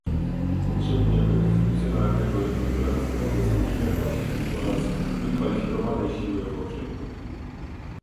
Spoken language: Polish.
Potrzebujemy funkcjonalnego rynku pracy o wysokiej jakości oraz wykwalifikowanej siły roboczej